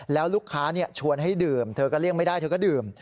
แล้วลูกค้าชวนให้ดื่มเธอก็เลี่ยงไม่ได้เธอก็ดื่ม